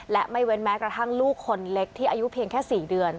และไม่เว้นแม้กระทั่งลูกคนเล็กที่อายุเพียงแค่๔เดือน